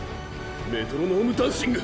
メトロノームダンシング！